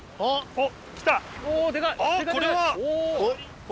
おっ。